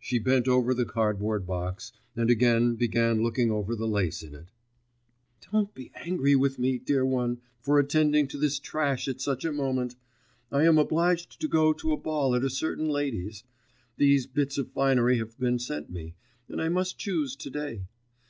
She bent over the cardboard box, and again began looking over the lace in it. 'Don't be angry with me, dear one, for attending to this trash at such a moment.... I am obliged to go to a ball at a certain lady's, these bits of finery have been sent me, and I must choose to day.